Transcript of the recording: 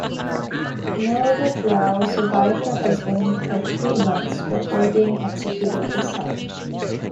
Milda Draule survived her husband by three months before being executed herself.